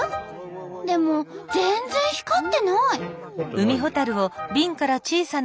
でも全然光ってない！